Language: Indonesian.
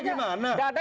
datanya tidak ada